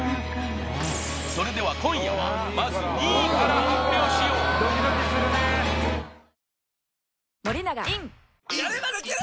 それでは今夜はまず２位から発表しようわ！